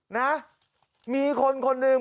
นะมีคนคนหนึ่ง